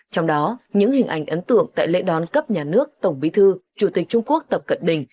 trong đó những hình ảnh ấn tượng tại lễ đón cấp nhà nước tổng bí thư chủ tịch trung quốc tập cận bình